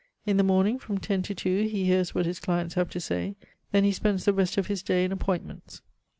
In the morning from ten to two he hears what his clients have to say, then he spends the rest of his day in appointments.